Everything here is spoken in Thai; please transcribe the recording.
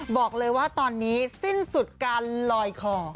บอกเลยว่าตอนนี้สิ้นสุดการลอยคอ